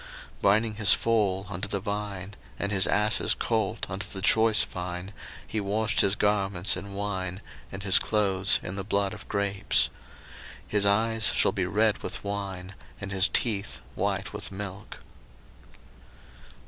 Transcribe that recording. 01:049:011 Binding his foal unto the vine, and his ass's colt unto the choice vine; he washed his garments in wine, and his clothes in the blood of grapes: 01:049:012 His eyes shall be red with wine, and his teeth white with milk.